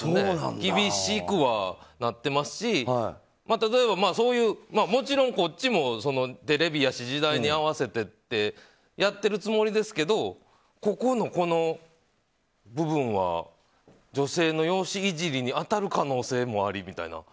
厳しくはなってますし例えば、もちろん、こっちもテレビやし時代に合わせてってやっているつもりですけどここの部分は女性の容姿いじりに当たる可能性もありみたいな。